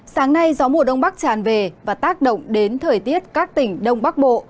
sáng nay gió mùa đông bắc tràn về và tác động đến thời tiết các tỉnh đông bắc bộ